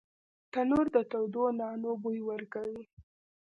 تنور د تودو نانو بوی ورکوي